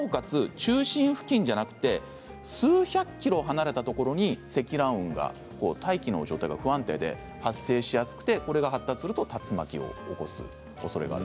中心付近ではなくて数百ｋｍ離れたところに積乱雲が大気の状態が不安定で発生しやすくてこれが発達すると竜巻を起こすおそれがある。